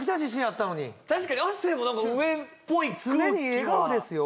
確かに亜生も上っぽい空気が常に笑顔ですよ